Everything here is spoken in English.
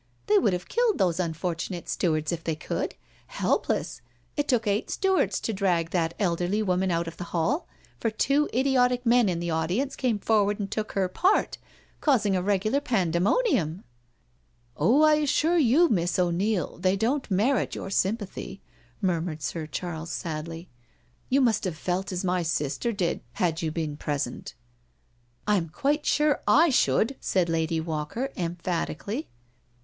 They would have killed those unfortunate stewards, if they could. Helpless I It took eight stewards fo drag that elderly woman out of the hall, for two idiotic men in the audience came forward and took her part, causing a regular pande monium/^ " Ohy I assure you, Miss O'Neil, they don't merit your sympathy/' murmured Sir Charles sadly. " You would have felt as my sister did had you been present.'* '' I am quite sure / should," said Lady Walker emphatically.